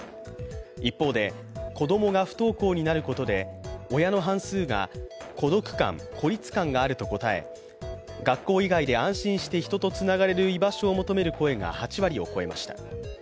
一方で、子供が不登校になることで親の半数が孤独感、孤立感があると答え、学校以外で安心して人とつながれる居場所を求める声が８割を超えました。